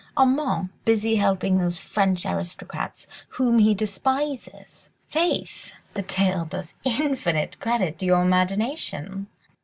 ... Armand busy helping those French aristocrats whom he despises! ... Faith, the tale does infinite credit to your imagination!"